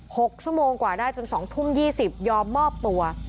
หกชั่วโมงกว่าได้จนสองทุ่มยี่สิบยอมมอบตัว